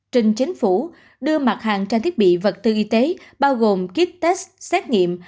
trình chính phủ đưa mặt hàng trang thiết bị vật tư y tế bao gồm kit test xét nghiệm